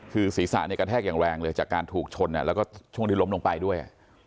คือศีรษะเนี่ยกระแทกอย่างแรงเลยจากการถูกชนแล้วก็ช่วงที่ล้มลงไปด้วย